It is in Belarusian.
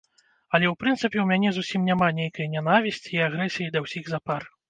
Але ў прынцыпе ў мяне зусім няма нейкай нянавісці і агрэсіі да ўсіх запар.